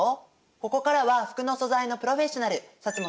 ここからは服の素材のプロフェッショナル本